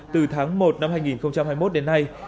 từ tháng một năm hai nghìn hai mươi một đến nay